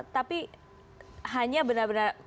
tapi hanya benar benar